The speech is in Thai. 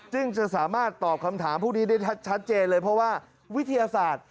จึงจะสามารถตอบคำถามพวกนี้ได้ชัดเจนเลยเพราะว่าวิทยาศาสตร์